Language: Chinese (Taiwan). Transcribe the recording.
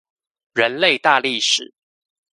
人類大歷史